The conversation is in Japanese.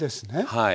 はい。